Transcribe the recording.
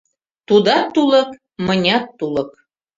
Тудат — тулык, мынят — тулык.